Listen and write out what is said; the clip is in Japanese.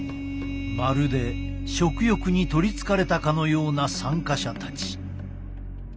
まるで食欲に取りつかれたかのような参加者たち。